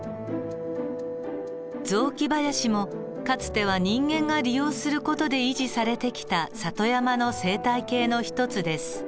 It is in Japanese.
雑木林もかつては人間が利用する事で維持されてきた里山の生態系の一つです。